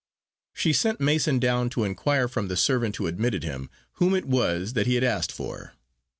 She sent Mason down to inquire from the servant who admitted him whom it was that he had asked for.